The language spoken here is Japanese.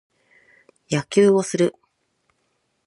野球をする。